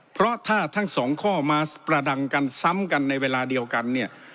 เพราะถ้าทั้งสองข้อมาประดังกันซ้ำกันในเวลาเดียวกันเนี่ย